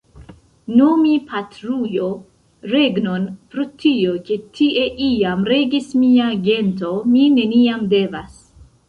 Nomi patrujo regnon pro tio, ke tie iam regis mia gento, mi neniam devas.